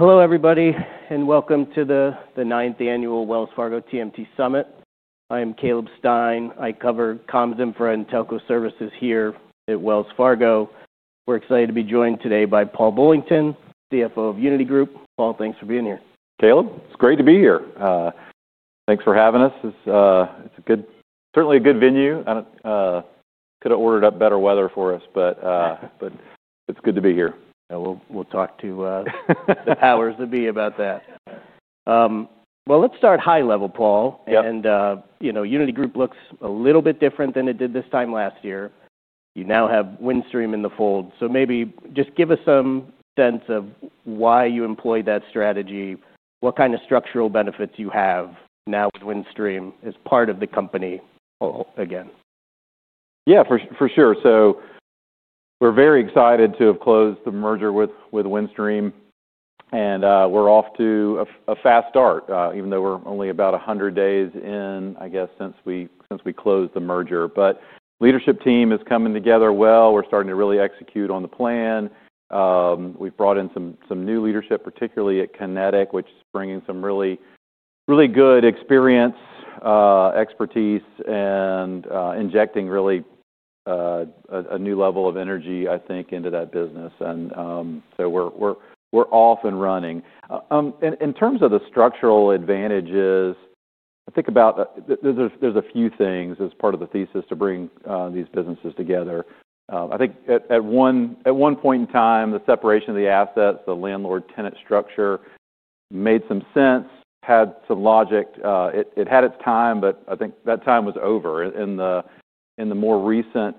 Hello everybody and welcome to the 9th annual Wells Fargo TMT Summit. I am Caleb Stein. I cover comms, infra, and telco services here at Wells Fargo. We're excited to be joined today by Paul Bullington, CFO of Uniti Group. Paul, thanks for being here. Caleb, it's great to be here. Thanks for having us. It's a good, certainly a good venue. I don't, could have ordered up better weather for us, but it's good to be here. Yeah, we'll talk to the powers that be about that. Let's start high level, Paul. Yeah. You know, Uniti Group looks a little bit different than it did this time last year. You now have Windstream in the fold, so maybe just give us some sense of why you employed that strategy, what kind of structural benefits you have now with Windstream as part of the company, again. Yeah, for sure. We're very excited to have closed the merger with Windstream, and we're off to a fast start, even though we're only about 100 days in, I guess, since we closed the merger. The leadership team is coming together well. We're starting to really execute on the plan. We've brought in some new leadership, particularly at Kinetic, which is bringing some really, really good experience, expertise, and injecting really a new level of energy, I think, into that business. We're off and running. In terms of the structural advantages, I think about, there's a few things as part of the thesis to bring these businesses together. I think at one point in time, the separation of the assets, the landlord-tenant structure made some sense, had some logic. It had its time, but I think that time was over. In the more recent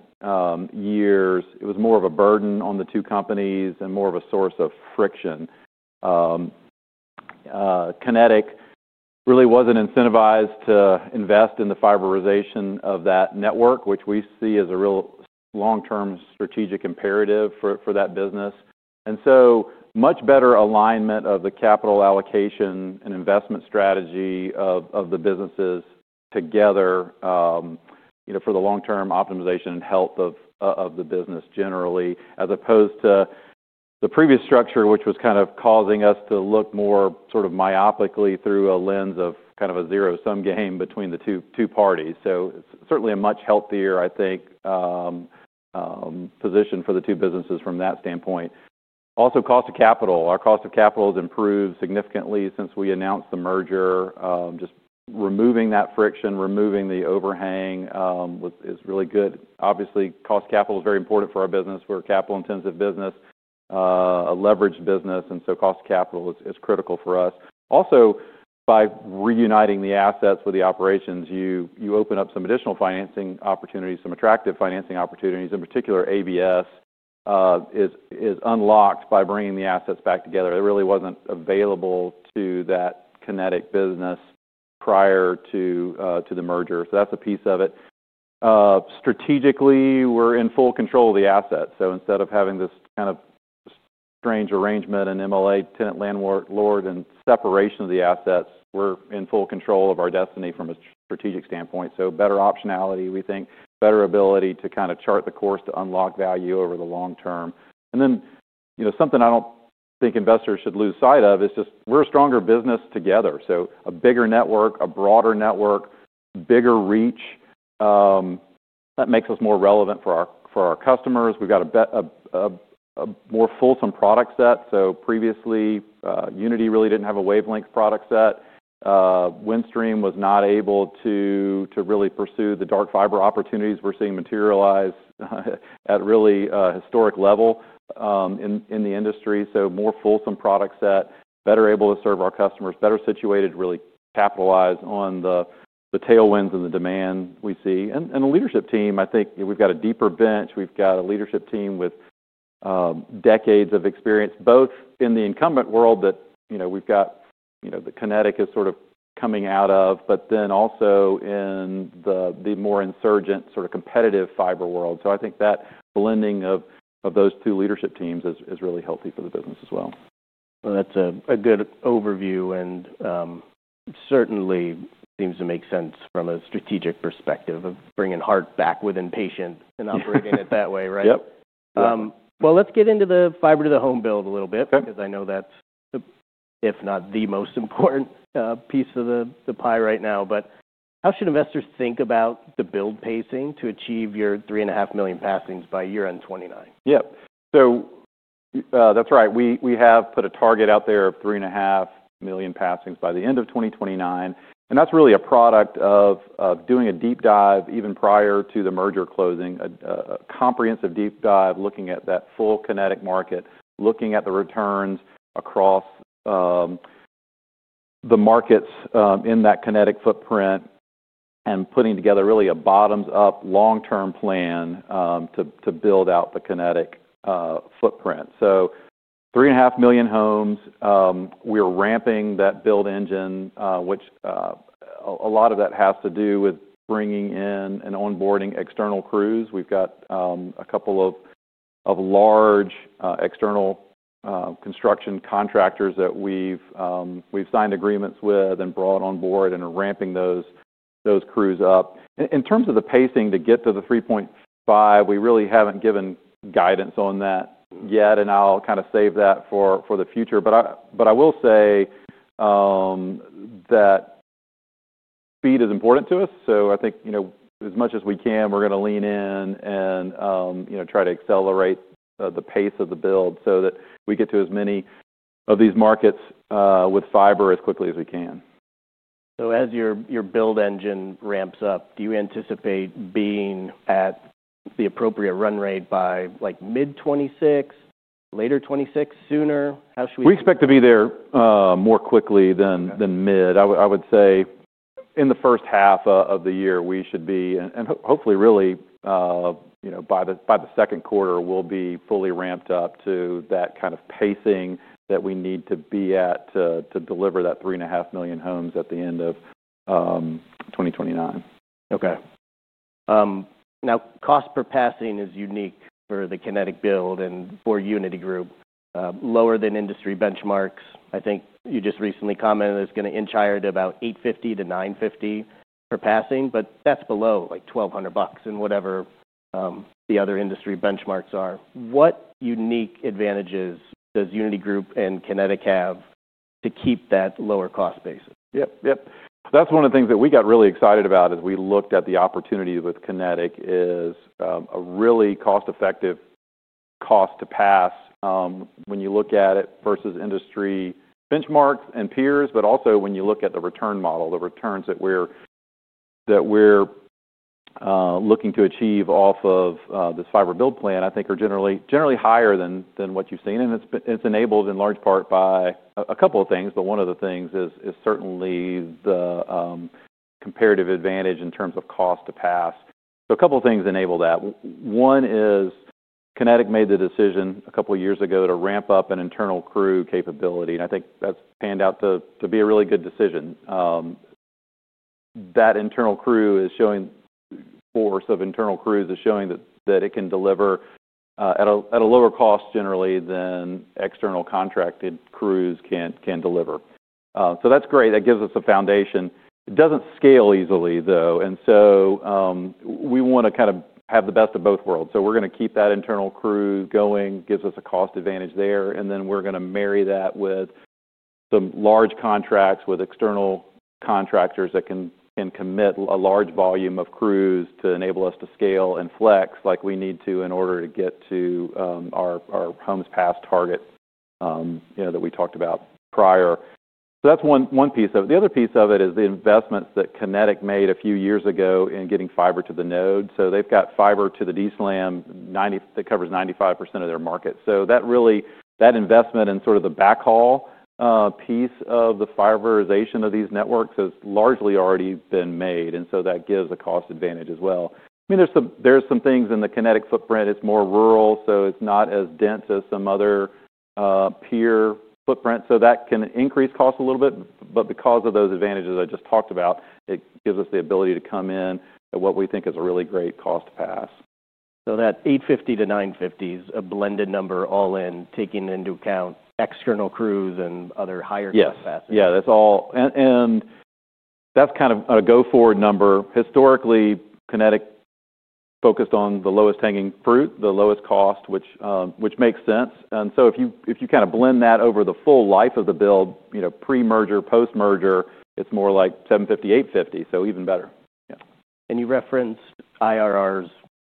years, it was more of a burden on the two companies and more of a source of friction. Kinetic really wasn't incentivized to invest in the fiberization of that network, which we see as a real long-term strategic imperative for that business. Much better alignment of the capital allocation and investment strategy of the businesses together, you know, for the long-term optimization and health of the business generally, as opposed to the previous structure, which was kind of causing us to look more sort of myopically through a lens of kind of a zero-sum game between the two parties. It is certainly a much healthier, I think, position for the two businesses from that standpoint. Also, cost of capital. Our cost of capital has improved significantly since we announced the merger. Just removing that friction, removing the overhang, was, is really good. Obviously, cost of capital is very important for our business. We're a capital-intensive business, a leveraged business, and so cost of capital is, is critical for us. Also, by reuniting the assets with the operations, you, you open up some additional financing opportunities, some attractive financing opportunities. In particular, ABS is, is unlocked by bringing the assets back together. It really wasn't available to that Kinetic business prior to the merger. So that's a piece of it. Strategically, we're in full control of the assets. Instead of having this kind of strange arrangement, an MLA tenant-landlord-landlord and separation of the assets, we're in full control of our destiny from a strategic standpoint. Better optionality, we think, better ability to kind of chart the course to unlock value over the long term. You know, something I do not think investors should lose sight of is just we are a stronger business together. A bigger network, a broader network, bigger reach, that makes us more relevant for our customers. We have got a more fulsome product set. Previously, Uniti really did not have a wavelength product set. Windstream was not able to really pursue the dark fiber opportunities we are seeing materialize at really a historic level in the industry. More fulsome product set, better able to serve our customers, better situated, really capitalize on the tailwinds and the demand we see. The leadership team, I think, you know, we have got a deeper bench. We've got a leadership team with decades of experience, both in the incumbent world that, you know, we've got, you know, that Kinetic is sort of coming out of, but then also in the more insurgent sort of competitive fiber world. I think that blending of those two leadership teams is really healthy for the business as well. That's a good overview and certainly seems to make sense from a strategic perspective of bringing heart back with impatience and operating it that way, right? Yep. Let's get into the fiber-to-the-home build a little bit. Okay. Because I know that's the, if not the most important, piece of the pie right now. How should investors think about the build pacing to achieve your three and a half million passings by year end 2029? Yep. That's right. We have put a target out there of three and a half million passings by the end of 2029. That's really a product of doing a deep dive even prior to the merger closing, a comprehensive deep dive looking at that full Kinetic Market, looking at the returns across the markets in that Kinetic footprint, and putting together really a bottoms-up long-term plan to build out the Kinetic footprint. Three and a half million homes, we're ramping that build engine, which a lot of that has to do with bringing in and onboarding external crews. We've got a couple of large external construction contractors that we've signed agreements with and brought on board and are ramping those crews up. In terms of the pacing to get to the 3.5 we really haven't given guidance on that yet, and I'll kind of save that for the future. I will say that speed is important to us. I think, you know, as much as we can, we're gonna lean in and, you know, try to accelerate the pace of the build so that we get to as many of these markets with fiber as quickly as we can. As your build engine ramps up, do you anticipate being at the appropriate run rate by, like, mid 2026, later 2026, sooner? How should we? We expect to be there more quickly than mid. I would say in the first half of the year, we should be, and hopefully really, you know, by the second quarter, we'll be fully ramped up to that kind of pacing that we need to be at to deliver that 3.5 million homes at the end of 2029. Okay. Now, cost per passing is unique for the Kinetic build and for Uniti Group, lower than industry benchmarks. I think you just recently commented it's gonna inch higher to about $850-$950 per passing, but that's below, like, $1,200 and whatever the other industry benchmarks are. What unique advantages does Uniti Group and Kinetic have to keep that lower cost base? Yep. Yep. That's one of the things that we got really excited about as we looked at the opportunity with Kinetic is a really cost-effective cost to pass when you look at it versus industry benchmarks and peers, but also when you look at the return model, the returns that we're looking to achieve off of this fiber build plan, I think are generally higher than what you've seen. It's enabled in large part by a couple of things, but one of the things is certainly the comparative advantage in terms of cost to pass. A couple of things enable that. One is Kinetic made the decision a couple of years ago to ramp up an internal crew capability, and I think that's panned out to be a really good decision. That internal crew is showing force of internal crews is showing that it can deliver at a lower cost generally than external contracted crews can deliver. That is great. That gives us a foundation. It does not scale easily, though. We want to kind of have the best of both worlds. We are going to keep that internal crew going, gives us a cost advantage there, and then we are going to marry that with some large contracts with external contractors that can commit a large volume of crews to enable us to scale and flex like we need to in order to get to our homes pass target, you know, that we talked about prior. That is one piece of it. The other piece of it is the investments that Kinetic made a few years ago in getting fiber to the node. They've got fiber to the DSLAM, that covers 95% of their market. That investment and sort of the backhaul piece of the fiberization of these networks has largely already been made, and that gives a cost advantage as well. I mean, there's some things in the Kinetic footprint. It's more rural, so it's not as dense as some other peer footprints. That can increase cost a little bit, but because of those advantages I just talked about, it gives us the ability to come in at what we think is a really great cost to pass. That 850-950 is a blended number all in, taking into account external crews and other higher cost factors. Yes. Yeah, that's all. And that's kind of a go-forward number. Historically, Kinetic focused on the lowest hanging fruit, the lowest cost, which makes sense. If you kind of blend that over the full life of the build, you know, pre-merger, post-merger, it's more like $750-$850, so even better. Yeah. You referenced IRRs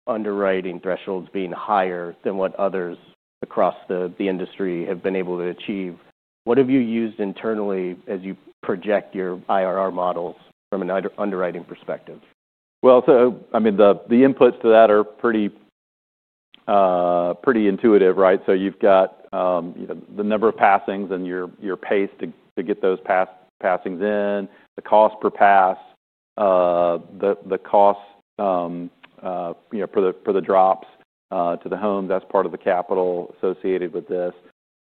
underwriting thresholds being higher than what others across the industry have been able to achieve. What have you used internally as you project your IRR models from an underwriting perspective? The inputs to that are pretty intuitive, right? You have the number of passings and your pace to get those passings in, the cost per pass, the cost for the drops to the home. That is part of the capital associated with this.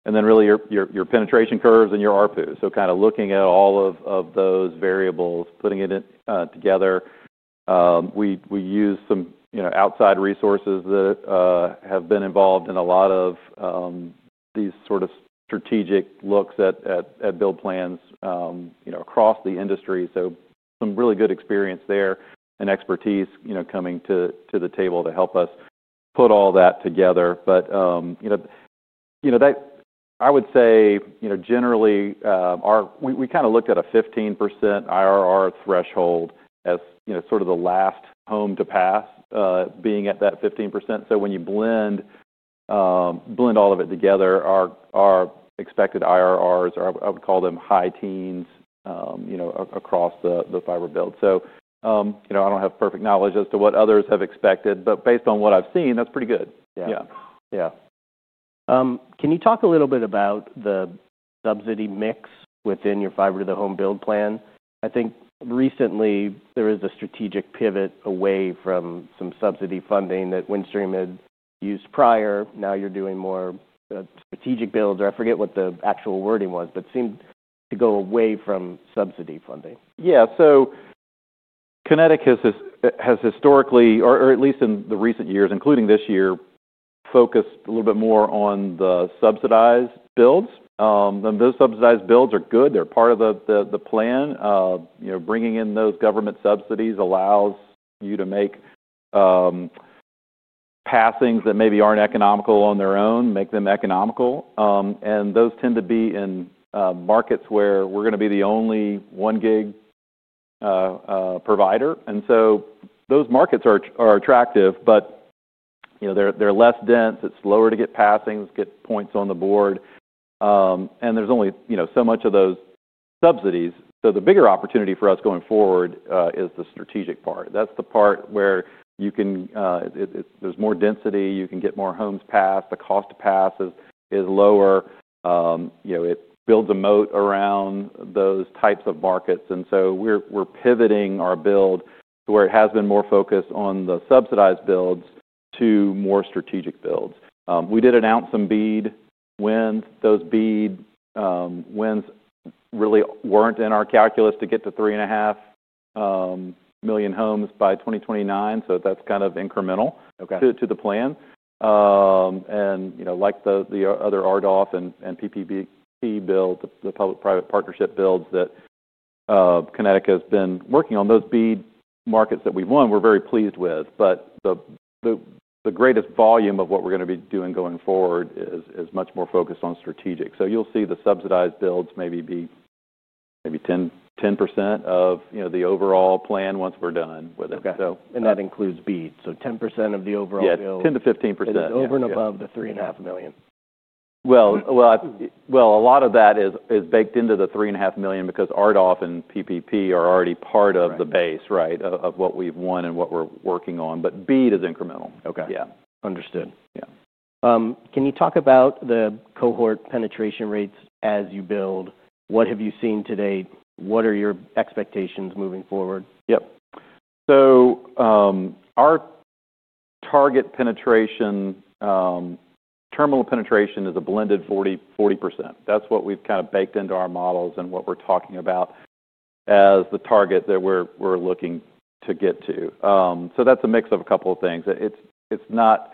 Then really your penetration curves and your ARPU. Kind of looking at all of those variables, putting it together, we use some outside resources that have been involved in a lot of these sort of strategic looks at build plans across the industry. Some really good experience there and expertise coming to the table to help us put all that together. You know, I would say, you know, generally, we kind of looked at a 15% IRR threshold as, you know, sort of the last home to pass being at that 15%. When you blend all of it together, our expected IRRs are, I would call them, high teens, you know, across the fiber build. I do not have perfect knowledge as to what others have expected, but based on what I have seen, that is pretty good. Yeah. Yeah. Yeah. Can you talk a little bit about the subsidy mix within your fiber-to-the-home build plan? I think recently there is a strategic pivot away from some subsidy funding that Windstream had used prior. Now you're doing more, strategic builds, or I forget what the actual wording was, but seemed to go away from subsidy funding. Yeah. Kinetic has, has historically, or at least in recent years, including this year, focused a little bit more on the subsidized builds. And those subsidized builds are good. They're part of the plan. You know, bringing in those government subsidies allows you to make passings that maybe aren't economical on their own, make them economical. And those tend to be in markets where we're gonna be the only one gig provider. Those markets are attractive, but, you know, they're less dense. It's slower to get passings, get points on the board. And there's only so much of those subsidies. The bigger opportunity for us going forward is the strategic part. That's the part where you can, there's more density. You can get more homes passed. The cost to pass is lower. you know, it builds a moat around those types of markets. And so we're, we're pivoting our build to where it has been more focused on the subsidized builds to more strategic builds. We did announce some BEAD wins. Those BEAD wins really weren't in our calculus to get to 3.5 million homes by 2029. So that's kind of incremental. Okay. To the plan. And, you know, like the other RDOF and PPP build, the public-private partnership builds that Kinetic has been working on, those BEAD markets that we've won, we're very pleased with. But the greatest volume of what we're gonna be doing going forward is much more focused on strategic. You'll see the subsidized builds maybe be, maybe 10% of the overall plan once we're done with it. Okay. That includes BEAD. 10% of the overall build. Yeah. 10%-15%. Is over and above the $3.5 million. A lot of that is baked into the three and a half million because RDOF and PPP are already part of the base, right, of what we've won and what we're working on. BEAD is incremental. Okay. Yeah. Understood. Yeah. Can you talk about the cohort penetration rates as you build? What have you seen today? What are your expectations moving forward? Yep. Our target penetration, terminal penetration, is a blended 40%. That's what we've kind of baked into our models and what we're talking about as the target that we're looking to get to. That's a mix of a couple of things. It's not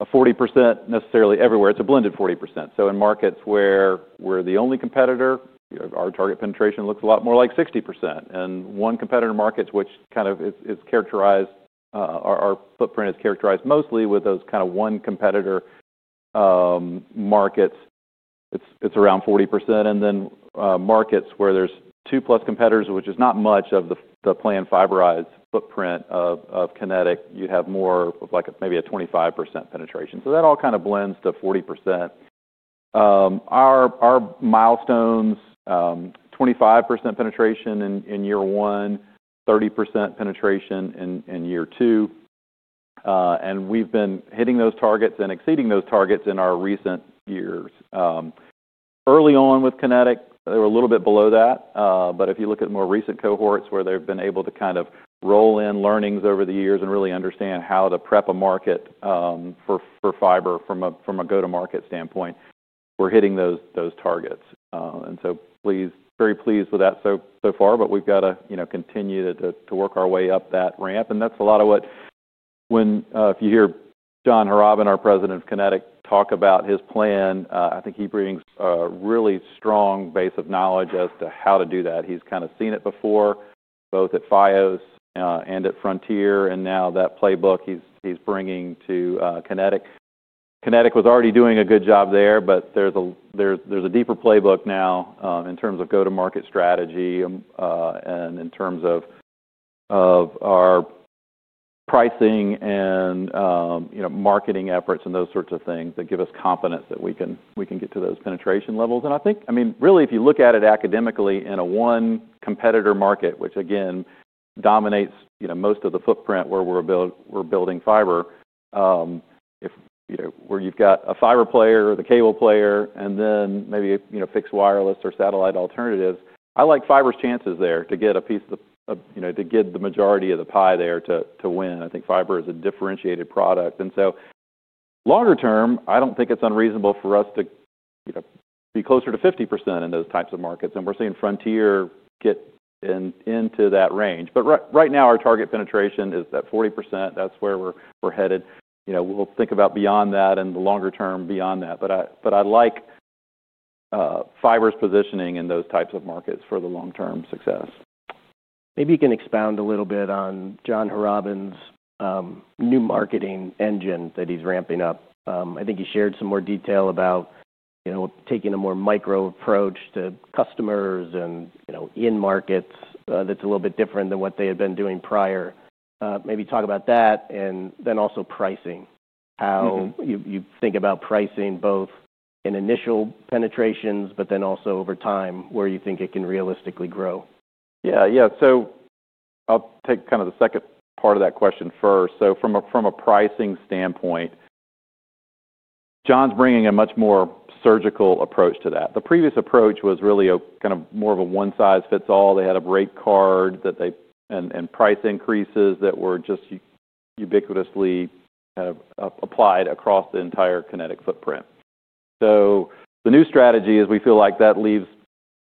a 40% necessarily everywhere. It's a blended 40%. In markets where we're the only competitor, our target penetration looks a lot more like 60%. In one competitor markets, which kind of is characterized, our footprint is characterized mostly with those kind of one competitor markets, it's around 40%. In markets where there's two plus competitors, which is not much of the planned fiberized footprint of Kinetic, you'd have more of like a maybe a 25% penetration. That all kind of blends to 40%. Our milestones, 25% penetration in year one, 30% penetration in year two. And we've been hitting those targets and exceeding those targets in our recent years. Early on with Kinetic, they were a little bit below that. If you look at more recent cohorts where they've been able to kind of roll in learnings over the years and really understand how to prep a market for fiber from a go-to-market standpoint, we're hitting those targets. I am very pleased with that so far, but we've got to continue to work our way up that ramp. That is a lot of what, when, if you hear John Hrabak, our President of Kinetic, talk about his plan, I think he brings a really strong base of knowledge as to how to do that. He's kind of seen it before, both at Fios and at Frontier, and now that playbook he's bringing to Kinetic. Kinetic was already doing a good job there, but there's a deeper playbook now, in terms of go-to-market strategy, and in terms of our pricing and, you know, marketing efforts and those sorts of things that give us confidence that we can get to those penetration levels. I think, I mean, really, if you look at it academically in a one competitor market, which again dominates most of the footprint where we're building fiber, if, you know, where you've got a fiber player or the cable player and then maybe, you know, fixed wireless or satellite alternatives, I like fiber's chances there to get a piece of the, you know, to get the majority of the pie there to win. I think fiber is a differentiated product. Longer term, I don't think it's unreasonable for us to, you know, be closer to 50% in those types of markets. We're seeing Frontier get into that range. Right now our target penetration is that 40%. That's where we're headed. You know, we'll think about beyond that and the longer term beyond that. I like, fiber's positioning in those types of markets for the long-term success. Maybe you can expound a little bit on John Hrabak's new marketing engine that he's ramping up. I think he shared some more detail about, you know, taking a more micro approach to customers and, you know, in markets, that's a little bit different than what they had been doing prior. Maybe talk about that and then also pricing, how you, you think about pricing both in initial penetrations, but then also over time where you think it can realistically grow. Yeah. Yeah. I'll take kind of the second part of that question first. From a pricing standpoint, John's bringing a much more surgical approach to that. The previous approach was really kind of more of a one-size-fits-all. They had a rate card and price increases that were just ubiquitously kind of applied across the entire Kinetic footprint. The new strategy is we feel like that leaves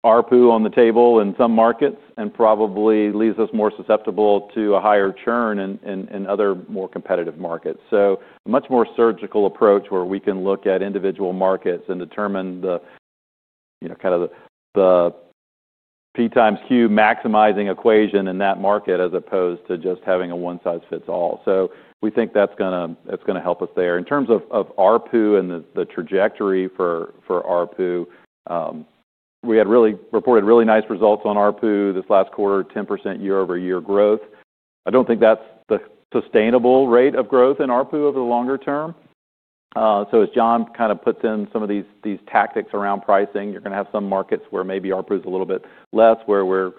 ARPU on the table in some markets and probably leaves us more susceptible to a higher churn in other more competitive markets. A much more surgical approach where we can look at individual markets and determine the, you know, kind of the P times Q maximizing equation in that market as opposed to just having a one-size-fits-all. We think that's gonna help us there. In terms of ARPU and the trajectory for ARPU, we had really reported really nice results on ARPU this last quarter, 10% year-over-year growth. I do not think that's the sustainable rate of growth in ARPU over the longer term. As John kind of puts in some of these tactics around pricing, you're gonna have some markets where maybe ARPU's a little bit less, where we're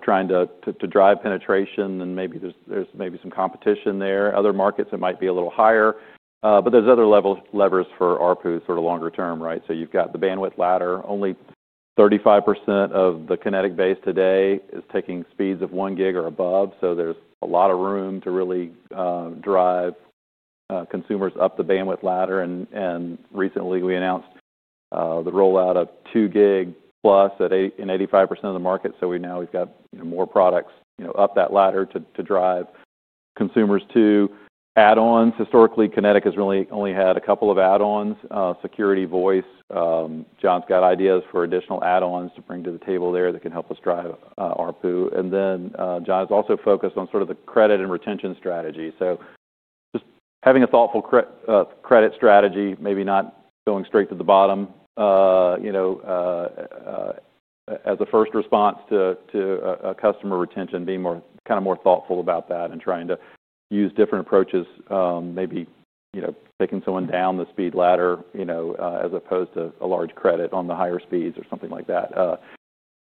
trying to drive penetration, and maybe there's some competition there. Other markets it might be a little higher. There are other levers for ARPU sort of longer term, right? You've got the bandwidth ladder. Only 35% of the Kinetic base today is taking speeds of 1 Gb or above. There's a lot of room to really drive consumers up the bandwidth ladder. Recently we announced the rollout of 2 Gb+ in 85% of the market. We now have more products up that ladder to drive consumers to add-ons. Historically, Kinetic has really only had a couple of add-ons, security, voice. John's got ideas for additional add-ons to bring to the table there that can help us drive ARPU. John's also focused on sort of the credit and retention strategy. Just having a thoughtful credit strategy, maybe not going straight to the bottom, you know, as a first response to a customer retention, being more kind of more thoughtful about that and trying to use different approaches, maybe, you know, taking someone down the speed ladder, you know, as opposed to a large credit on the higher speeds or something like that,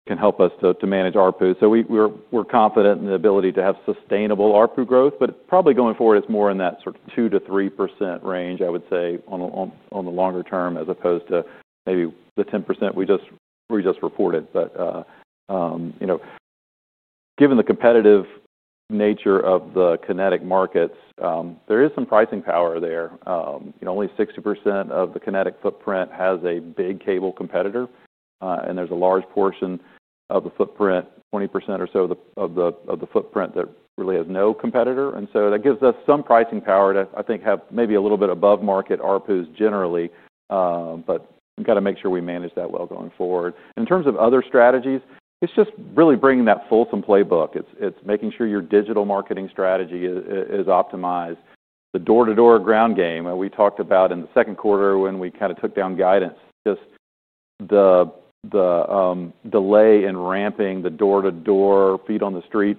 can help us to manage ARPU. We are confident in the ability to have sustainable ARPU growth, but probably going forward it is more in that sort of 2%-3% range, I would say, on the longer term as opposed to maybe the 10% we just reported. You know, given the competitive nature of the Kinetic markets, there is some pricing power there. You know, only 60% of the Kinetic footprint has a big cable competitor, and there's a large portion of the footprint, 20% or so of the footprint that really has no competitor. That gives us some pricing power to, I think, have maybe a little bit above market ARPUs generally. We gotta make sure we manage that well going forward. In terms of other strategies, it's just really bringing that fulsome playbook. It's making sure your digital marketing strategy is optimized. The door-to-door ground game that we talked about in the second quarter when we kind of took down guidance, just the delay in ramping the door-to-door, feet on the street,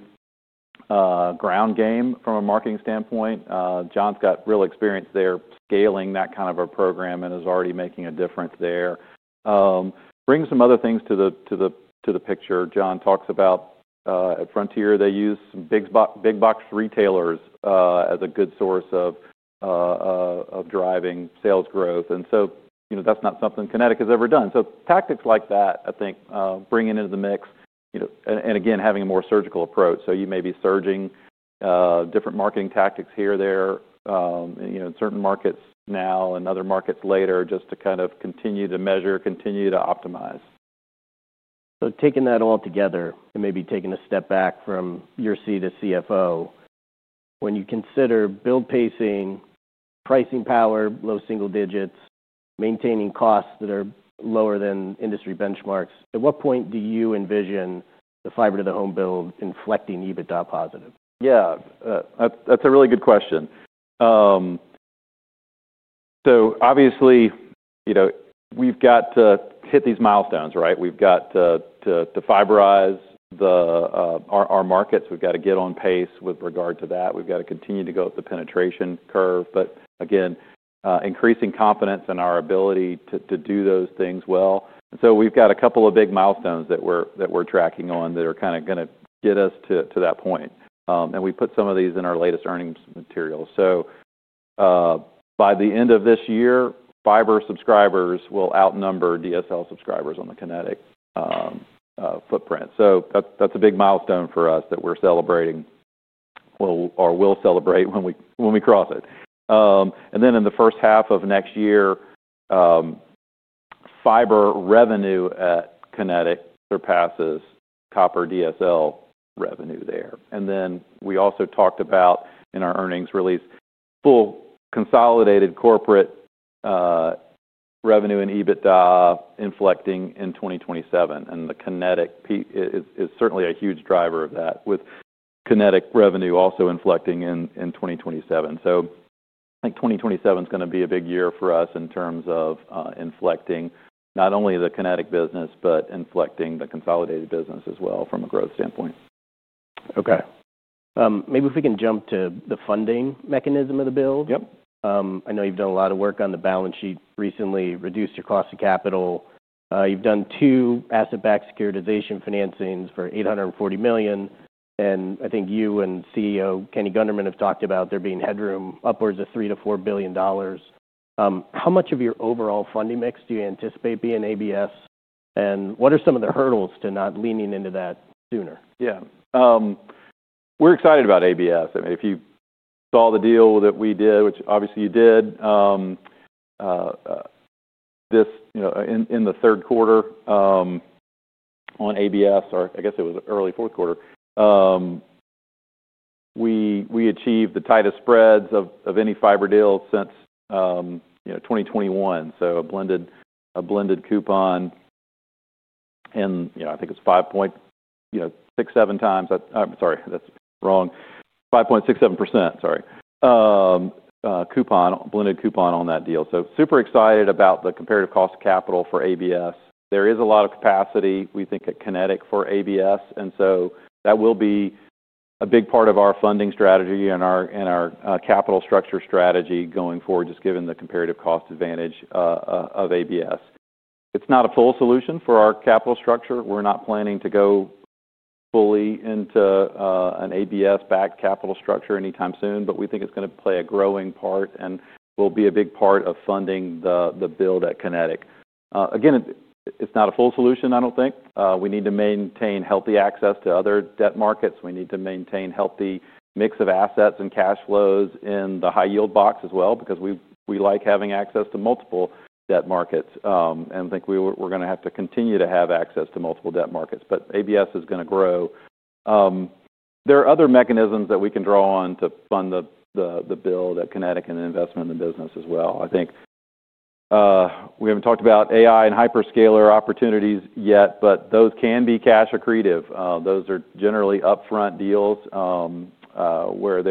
ground game from a marketing standpoint. John's got real experience there scaling that kind of a program and is already making a difference there. bring some other things to the picture. John talks about, at Frontier they use some big box retailers as a good source of driving sales growth. You know, that's not something Kinetic has ever done. Tactics like that, I think, bringing into the mix, you know, and again, having a more surgical approach. You may be surging different marketing tactics here, there, in certain markets now and other markets later just to kind of continue to measure, continue to optimize. Taking that all together and maybe taking a step back from your seat as CFO, when you consider build pacing, pricing power, low single digits, maintaining costs that are lower than industry benchmarks, at what point do you envision the fiber-to-the-home build inflecting EBITDA positive? Yeah, that's a really good question. Obviously, you know, we've got to hit these milestones, right? We've got to fiberize our markets. We've got to get on pace with regard to that. We've got to continue to go up the penetration curve. Again, increasing confidence in our ability to do those things well. We've got a couple of big milestones that we're tracking on that are going to get us to that point. We put some of these in our latest earnings material. By the end of this year, fiber subscribers will outnumber DSL subscribers on the Kinetic footprint. That's a big milestone for us that we're celebrating or will celebrate when we cross it. In the first half of next year, fiber revenue at Kinetic surpasses copper DSL revenue there. We also talked about in our earnings release, full consolidated corporate revenue and EBITDA inflecting in 2027. The Kinetic peak is certainly a huge driver of that, with Kinetic revenue also inflecting in 2027. I think 2027 is going to be a big year for us in terms of inflecting not only the Kinetic business, but inflecting the consolidated business as well from a growth standpoint. Okay. Maybe if we can jump to the funding mechanism of the build. Yep. I know you've done a lot of work on the balance sheet recently, reduced your cost of capital. You've done two asset-backed securitization financings for $840 million. I think you and CEO Kenny Gunderman have talked about there being headroom upwards of $3 billion-$4 billion. How much of your overall funding mix do you anticipate being ABS? What are some of the hurdles to not leaning into that sooner? Yeah. We're excited about ABS. I mean, if you saw the deal that we did, which obviously you did, this, you know, in the third quarter, on ABS, or I guess it was early fourth quarter, we achieved the tightest spreads of any fiber deal since, you know, 2021. So a blended, a blended coupon in, you know, I think 5.67%. Coupon, blended coupon on that deal. Super excited about the comparative cost of capital for ABS. There is a lot of capacity, we think, at Kinetic for ABS. That will be a big part of our funding strategy and our capital structure strategy going forward, just given the comparative cost advantage of ABS. It's not a full solution for our capital structure. We're not planning to go fully into an ABS-backed capital structure anytime soon, but we think it's gonna play a growing part and will be a big part of funding the build at Kinetic. Again, it's not a full solution, I don't think. We need to maintain healthy access to other debt markets. We need to maintain a healthy mix of assets and cash flows in the high yield box as well because we like having access to multiple debt markets. I think we're gonna have to continue to have access to multiple debt markets, but ABS is gonna grow. There are other mechanisms that we can draw on to fund the build at Kinetic and the investment in the business as well. I think we haven't talked about AI and hyperscaler opportunities yet, but those can be cash accretive. Those are generally upfront deals, where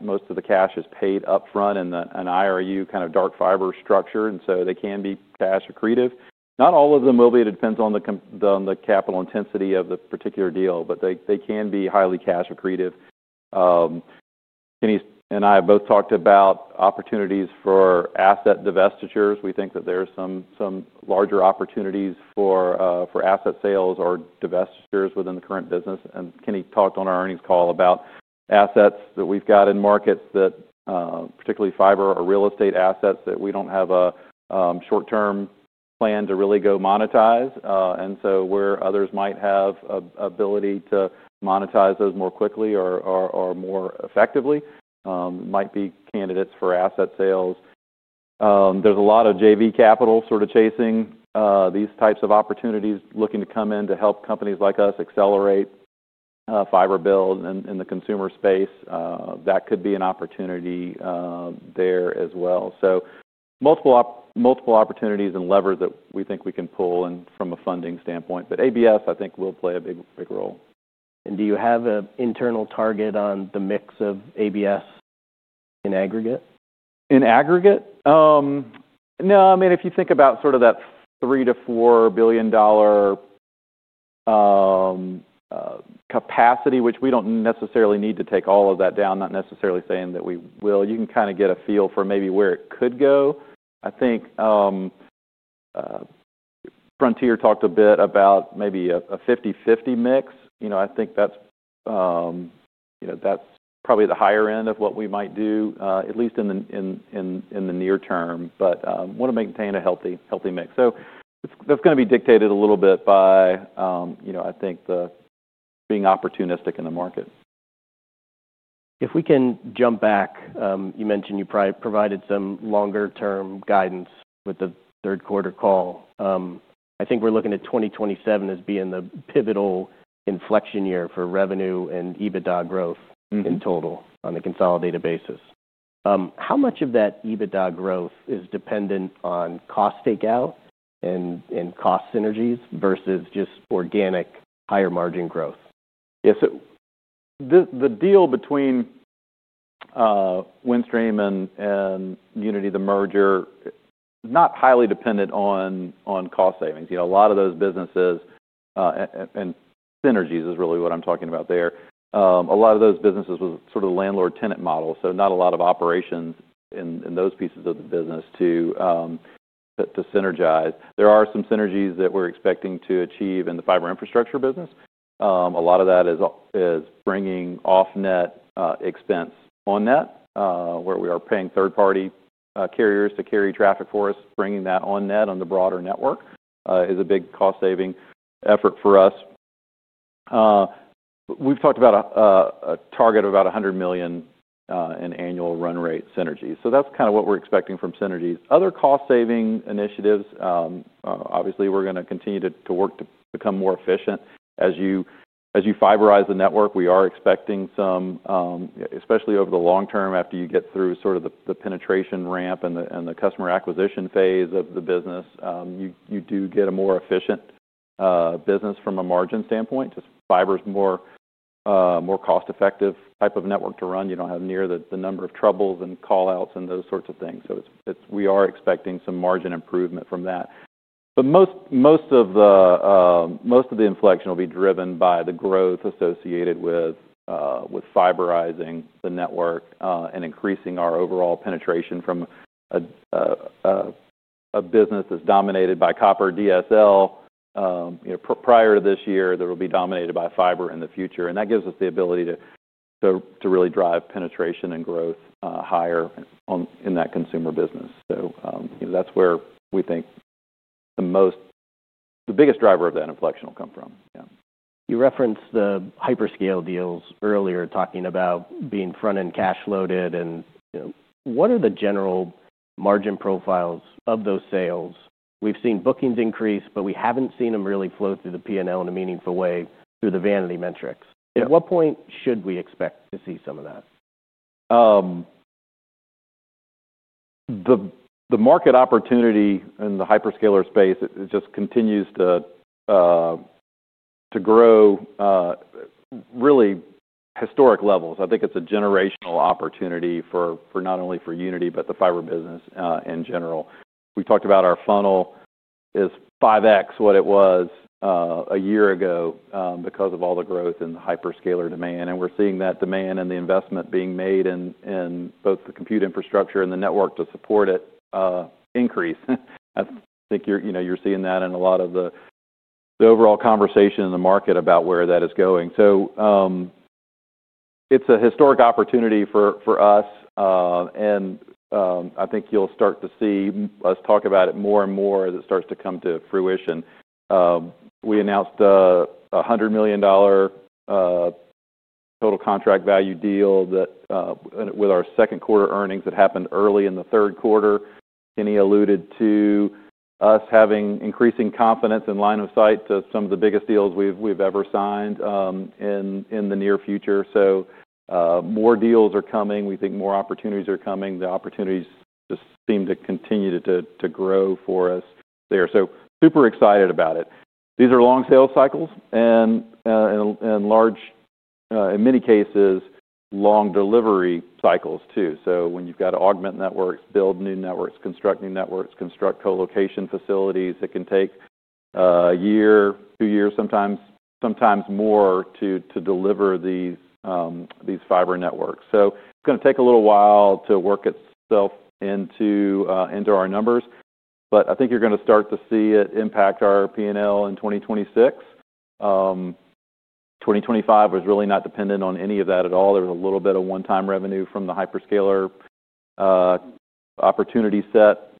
most of the cash is paid upfront in an IRU kind of dark fiber structure. They can be cash accretive. Not all of them will be. It depends on the capital intensity of the particular deal, but they can be highly cash accretive. Kenny and I have both talked about opportunities for asset divestitures. We think that there are some larger opportunities for asset sales or divestitures within the current business. Kenny talked on our earnings call about assets that we have in markets, particularly fiber or real estate assets, that we do not have a short-term plan to really go monetize. Where others might have an ability to monetize those more quickly or more effectively, they might be candidates for asset sales. There's a lot of JV Capital sort of chasing these types of opportunities, looking to come in to help companies like us accelerate fiber build in the consumer space. That could be an opportunity there as well. Multiple opportunities and levers that we think we can pull in from a funding standpoint. ABS, I think, will play a big, big role. Do you have an internal target on the mix of ABS in aggregate? In aggregate? No. I mean, if you think about sort of that $3 billion-$4 billion capacity, which we do not necessarily need to take all of that down, not necessarily saying that we will. You can kind of get a feel for maybe where it could go. I think Frontier talked a bit about maybe a 50/50 mix. You know, I think that is probably the higher end of what we might do, at least in the near term. I want to maintain a healthy, healthy mix. That is going to be dictated a little bit by, you know, I think being opportunistic in the market. If we can jump back, you mentioned you provided some longer-term guidance with the third quarter call. I think we're looking at 2027 as being the pivotal inflection year for revenue and EBITDA growth in total on a consolidated basis. How much of that EBITDA growth is dependent on cost takeout and cost synergies versus just organic higher margin growth? Yeah. The deal between Windstream and Uniti, the merger, is not highly dependent on cost savings. You know, a lot of those businesses, and synergies is really what I'm talking about there. A lot of those businesses was sort of the landlord-tenant model. Not a lot of operations in those pieces of the business to synergize. There are some synergies that we're expecting to achieve in the fiber infrastructure business. A lot of that is bringing offnet expense Onnet, where we are paying third-party carriers to carry traffic for us. Bringing that Onnet on the broader network is a big cost-saving effort for us. We've talked about a target of about $100 million in annual run rate synergies. That's kind of what we're expecting from synergies. Other cost-saving initiatives, obviously we're gonna continue to work to become more efficient as you fiberize the network. We are expecting some, especially over the long term after you get through sort of the penetration ramp and the customer acquisition phase of the business. You do get a more efficient business from a margin standpoint. Just fiber's a more cost-effective type of network to run. You do not have near the number of troubles and callouts and those sorts of things. We are expecting some margin improvement from that. Most of the inflection will be driven by the growth associated with fiberizing the network, and increasing our overall penetration from a business that's dominated by copper DSL. You know, prior to this year, there will be dominated by fiber in the future. That gives us the ability to really drive penetration and growth higher on in that consumer business. You know, that's where we think the most, the biggest driver of that inflection will come from. Yeah. You referenced the hyperscale deals earlier, talking about being front-end cash loaded. You know, what are the general margin profiles of those sales? We've seen bookings increase, but we haven't seen them really flow through the P&L in a meaningful way through the vanity metrics. At what point should we expect to see some of that? The market opportunity in the hyperscaler space, it just continues to grow, really historic levels. I think it's a generational opportunity for not only for Uniti, but the fiber business in general. We've talked about our funnel is 5x what it was a year ago, because of all the growth in the hyperscaler demand. And we're seeing that demand and the investment being made in both the compute infrastructure and the network to support it increase. I think you're, you know, you're seeing that in a lot of the overall conversation in the market about where that is going. It's a historic opportunity for us. I think you'll start to see us talk about it more and more as it starts to come to fruition. We announced a $100 million total contract value deal that, with our second quarter earnings, that happened early in the third quarter. Kenny alluded to us having increasing confidence in line of sight to some of the biggest deals we have ever signed in the near future. More deals are coming. We think more opportunities are coming. The opportunities just seem to continue to grow for us there. Super excited about it. These are long sales cycles and, in many cases, long delivery cycles too. When you have to augment networks, build new networks, construct new networks, construct colocation facilities, it can take a year, two years, sometimes more to deliver these fiber networks. It is going to take a little while to work itself into our numbers. I think you're gonna start to see it impact our P&L in 2026. 2025 was really not dependent on any of that at all. There was a little bit of one-time revenue from the hyperscaler opportunity set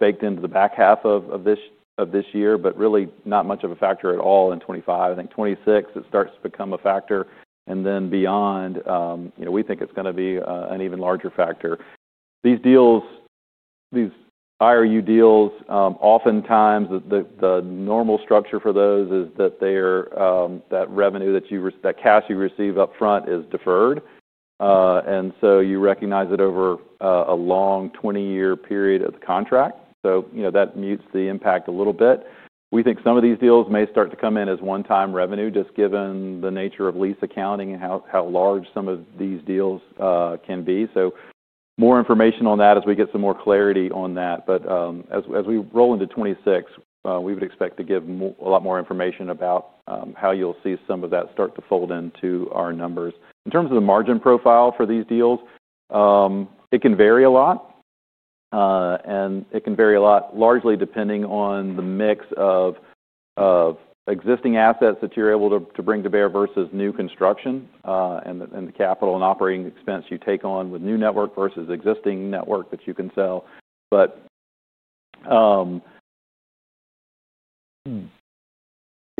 baked into the back half of this year, but really not much of a factor at all in 2025. I think 2026 it starts to become a factor. And then beyond, you know, we think it's gonna be an even larger factor. These deals, these IRU deals, oftentimes the normal structure for those is that revenue that cash you receive upfront is deferred, and so you recognize it over a long 20-year period of the contract. You know, that mutes the impact a little bit. We think some of these deals may start to come in as one-time revenue just given the nature of lease accounting and how large some of these deals can be. More information on that as we get some more clarity on that. As we roll into 2026, we would expect to give a lot more information about how you'll see some of that start to fold into our numbers. In terms of the margin profile for these deals, it can vary a lot, and it can vary a lot largely depending on the mix of existing assets that you're able to bring to bear versus new construction, and the capital and operating expense you take on with new network versus existing network that you can sell.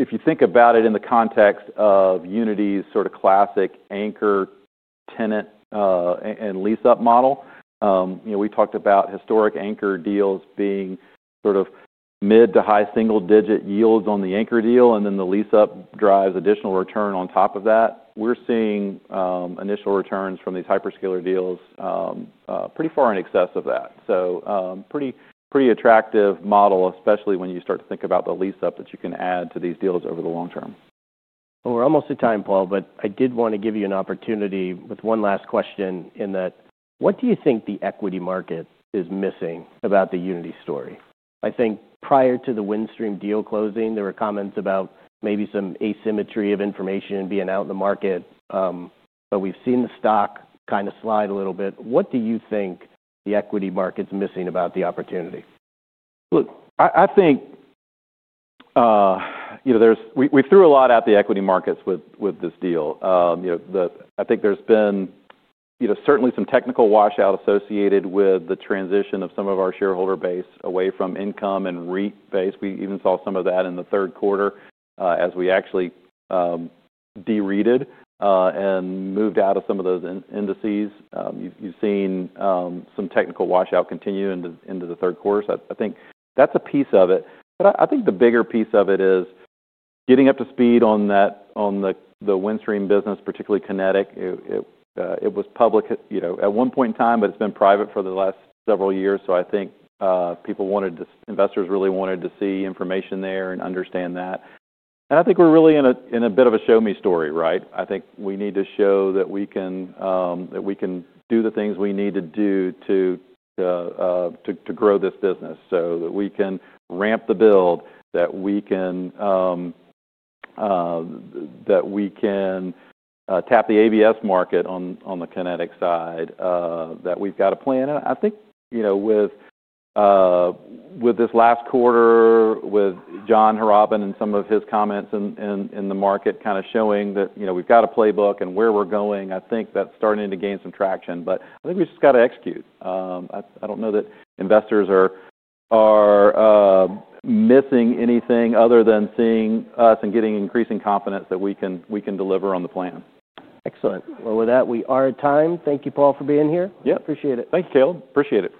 If you think about it in the context of Uniti's sort of classic anchor tenant and lease-up model, you know, we talked about historic anchor deals being sort of mid to high single-digit yields on the anchor deal, and then the lease-up drives additional return on top of that. We're seeing initial returns from these hyperscaler deals pretty far in excess of that. Pretty attractive model, especially when you start to think about the lease-up that you can add to these deals over the long term. We're almost at time, Paul, but I did wanna give you an opportunity with one last question in that. What do you think the equity market is missing about the Uniti story? I think prior to the Windstream deal closing, there were comments about maybe some asymmetry of information being out in the market. We've seen the stock kind of slide a little bit. What do you think the equity market's missing about the opportunity? Look, I think, you know, we threw a lot at the equity markets with this deal. You know, I think there's been certainly some technical washout associated with the transition of some of our shareholder base away from income and REIT base. We even saw some of that in the third quarter, as we actually de-REITed, and moved out of some of those indices. You've seen some technical washout continue into the third quarter. I think that's a piece of it. I think the bigger piece of it is getting up to speed on that, on the Windstream business, particularly Kinetic. It was public, you know, at one point in time, but it's been private for the last several years. I think people wanted to, investors really wanted to see information there and understand that. I think we're really in a bit of a show-me story, right? I think we need to show that we can do the things we need to do to grow this business so that we can ramp the build, that we can tap the ABS market on the Kinetic side, that we've got a plan. I think, you know, with this last quarter with John Hrabak and some of his comments in the market kind of showing that, you know, we've got a playbook and where we're going, I think that's starting to gain some traction. I think we just gotta execute. I don't know that investors are missing anything other than seeing us and getting increasing confidence that we can deliver on the plan. Excellent. With that, we are at time. Thank you, Paul, for being here. Yep. Appreciate it. Thank you, Caleb. Appreciate it.